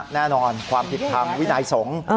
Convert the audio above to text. แน่นอนความผิดทางวินัยสงฆ์